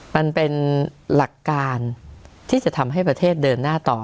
มันเป็นหลักการที่จะทำให้ประเทศเดินหน้าต่อ